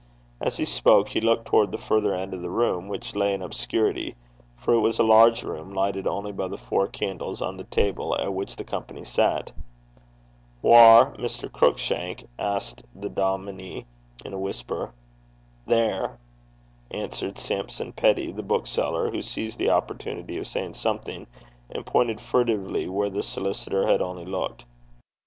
As he spoke he looked towards the farther end of the room, which lay in obscurity; for it was a large room, lighted only by the four candles on the table at which the company sat. 'Whaur, Mr. Cruickshank?' asked the dominie in a whisper. 'There,' answered Sampson Peddie, the bookseller, who seized the opportunity of saying something, and pointed furtively where the solicitor had only looked.